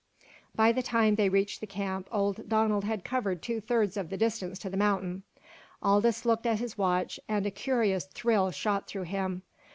By the time they reached the camp old Donald had covered two thirds of the distance to the mountain. Aldous looked at his watch and a curious thrill shot through him.